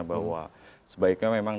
bahwa sebaiknya memang dilikuti